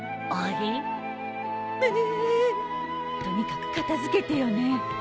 とにかく片付けてよね。